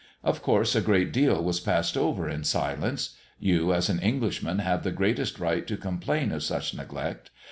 Of course a great deal was passed over in silence; you, as an Englishman, have the greatest right to complain of such neglect.